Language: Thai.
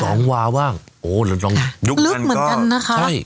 สิบสองวาบ้างโอ้แล้วน้องลึกเหมือนกันนะคะใช่